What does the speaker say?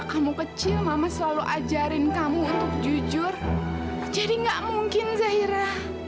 sampai jumpa di video selanjutnya